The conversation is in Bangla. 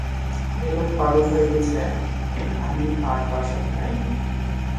এই লোক পাগল হয়ে গেছে, আমি আর তার সাথে নাই!